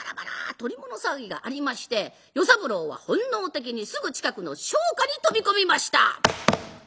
捕り物騒ぎがありまして与三郎は本能的にすぐ近くの商家に飛び込みました。